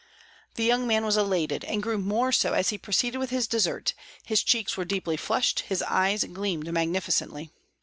The young man was elated, and grew more so as he proceeded with his dessert; his cheeks were deeply flushed; his eyes gleamed magnificently.